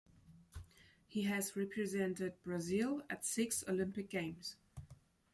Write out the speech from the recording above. He has represented Brazil at six Olympic Games.